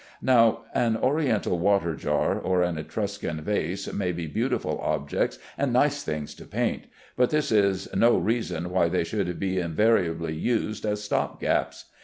Now, an Oriental water jar or an Etruscan vase may be beautiful objects and nice things to paint, but this is no reason why they should be invariably used as stop gaps.